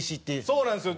そうなんですよ。